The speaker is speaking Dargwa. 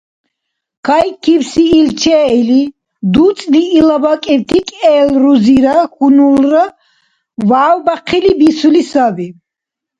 Кайкибси ил чеили, дуцӀли ила бакӀибти кӀел рузира хьунулра вявбяхъили бисули саби.